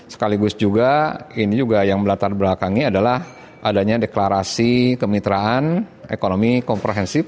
sekaligus juga ini juga yang melatar belakangi adalah adanya deklarasi kemitraan ekonomi komprehensif